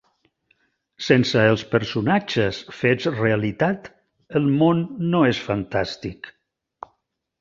Sense els personatges fets realitat, el món no és fantàstic.